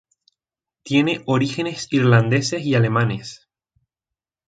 Tiene orígenes irlandeses y alemanes.